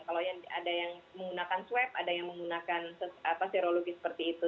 kalau ada yang menggunakan swab ada yang menggunakan serologi seperti itu